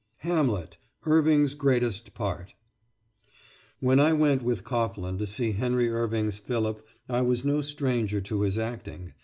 HAMLET IRVING'S GREATEST PART When I went with Coghlan to see Henry Irving's Philip I was no stranger to his acting.